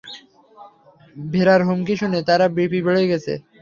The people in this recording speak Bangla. ভীরার হুমকি শুনে, তার বিপি বেড়ে গেছে।